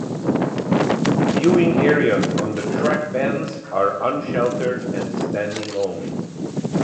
The viewing areas on the track bends are un-sheltered and standing only.